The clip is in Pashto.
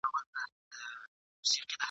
د دې غم کیسه اوږده ده له پېړیو ده روانه ..